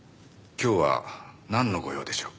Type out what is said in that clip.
今日はなんのご用でしょう？